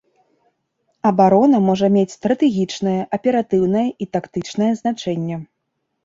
Абарона можа мець стратэгічнае, аператыўнае і тактычнае значэнне.